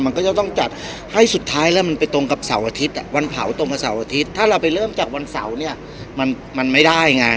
มันก็จะต้องจัดให้สุดท้ายแล้วมันไปตรงกับเสาร์อาทิตย์วันเผาตรงกับเสาร์อาทิตย์ถ้าเราไปเริ่มจากวันเสาร์เนี่ยมันไม่ได้ไง